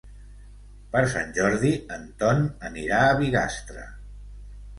Per Sant Jordi en Ton anirà a Bigastre.